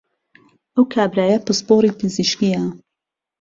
ئەو کابرایە پسپۆڕی پزیشکییە